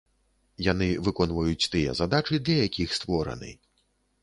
Яны выконваюць тыя задачы, для якіх створаны.